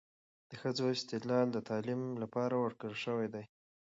د ښځو استعداد د تعلیم لپاره ورکړل شوی دی.